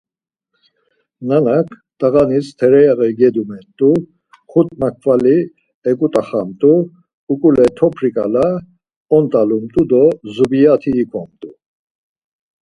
Nanak t̆ağaniz tereyaği gedumet̆t̆u, xut makvali eǩut̆axamt̆u, uǩule topri ǩala ont̆alumt̆u do zubiyat̆i ikomt̆u.